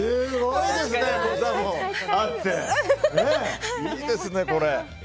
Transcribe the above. いいですね、これ。